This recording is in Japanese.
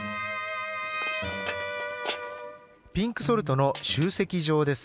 ピンクソルトの集積場です。